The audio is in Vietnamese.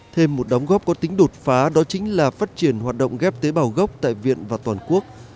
thêm một đóng góp có tính đột phá đó chính là phát triển hoạt động ghép tế bào gốc tại viện và toàn quốc